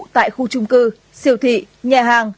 tại khu chung cư siêu thị nhà hàng